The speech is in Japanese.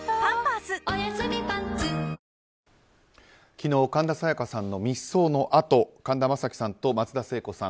昨日神田沙也加さんの密葬のあと神田正輝さんと松田聖子さん